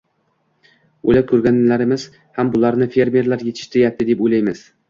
O‘ylab ko‘radiganlarimiz ham «bularni fermerlar yetishtirayapti» deb o‘ylaymiz.